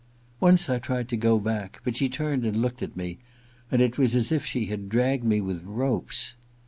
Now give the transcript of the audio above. Once I tried to go back ; but she turned and looked at me, and it was as if she had dragged me with ropes.